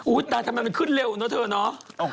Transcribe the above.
อุ๊ยแต่ทำไมน่าขึ้นเร็วเนอะเธอน้อง